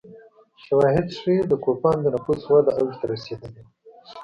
شواهد ښيي د کوپان د نفوس وده اوج ته رسېدلې وه